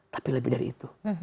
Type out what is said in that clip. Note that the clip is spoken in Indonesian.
tapi lebih dari itu